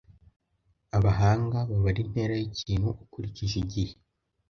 abahanga babara intera yikintu ukurikije igihe